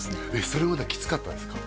それまではキツかったんですか？